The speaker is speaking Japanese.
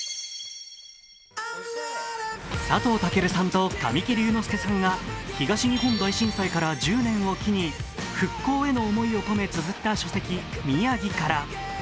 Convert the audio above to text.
佐藤健さんと神木隆之介さんが東日本大震災から１０年を機に復興への思いを込めつづった書籍「みやぎから、」。